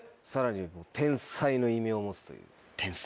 さらに「天才」の異名を持つという。